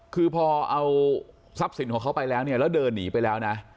คือพอเอาทรัพย์สินของเขาไปแล้วเนี่ยแล้วเดินหนีไปแล้วนะ